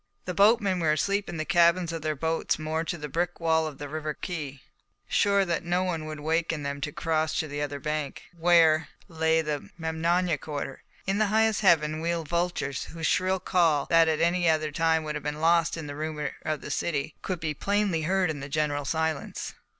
The boatmen were asleep in the cabins of their boats moored to the brick wall of the river quay, sure that no one would waken them to cross to the other bank, where lay the Memnonia quarter. In the highest heaven wheeled vultures, whose shrill call, that at any other time would have been lost in the rumour of the city, could be plainly heard in the general silence.